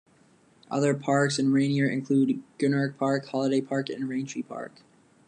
Other parks in Rainier include Gehrke Park, Holiday Park, and Raintree Park.